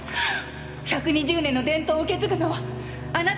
１２０年の伝統を受け継ぐのはあなたの役目よ！